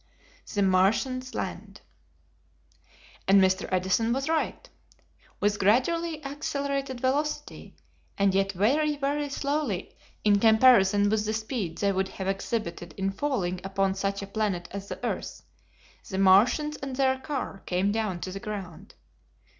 The Martians Land. And Mr. Edison was right. With gradually accelerated velocity, and yet very, very slowly in comparison with the speed they would have exhibited in falling upon such a planet as the earth, the Martians and their car came down to the ground.